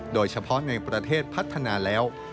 โดยเฉพาะในประเทศพัฒนาแล้ว